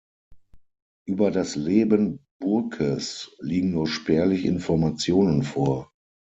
Über das Leben Burkes liegen nur spärlich Informationen vor.